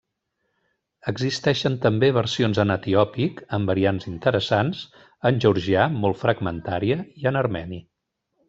Existeixen també versions en etiòpic, amb variants interessants, en georgià, molt fragmentària i en armeni.